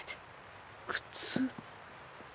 靴？